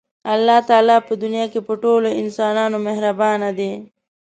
الله تعالی په دنیا کې په ټولو انسانانو مهربانه دی.